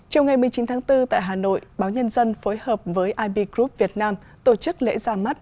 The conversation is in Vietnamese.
trong ngày một mươi chín tháng bốn tại hà nội báo nhân dân phối hợp với ib group việt nam tổ chức lễ ra mắt